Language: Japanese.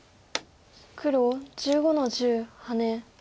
黒１５の十ハネ。